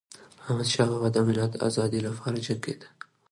احمدشاه بابا د ملت د ازادی لپاره جنګيده.